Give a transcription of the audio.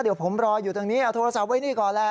เดี๋ยวผมรออยู่ตรงนี้เอาโทรศัพท์ไว้นี่ก่อนแหละ